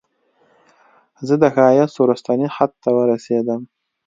زه د ښایست وروستني حد ته ورسیدم